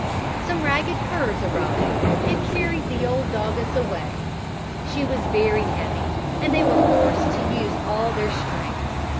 Some ragged curs arrived, and carried the old doggess away. She was very heavy, and they were forced to use all their strength.